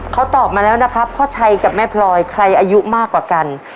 เขาตอบมาแล้วนะครับพ่อชัยกับแม่พลอยใครอายุมากกว่ากัน